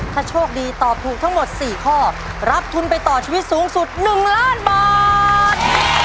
ถ้าโชคดีตอบถูกทั้งหมด๔ข้อรับทุนไปต่อชีวิตสูงสุด๑ล้านบาท